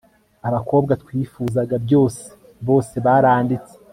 abakobwa twifuzaga byose, bose baranditse